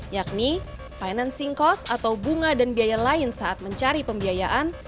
yakni financing cost atau bunga dan biaya lain saat mencari pembiayaan